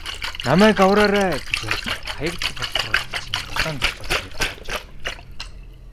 Намайг авраарай гэж орилоод Хаягдал боловсруулагчийн улаан товчлуур дээр дарж орхив.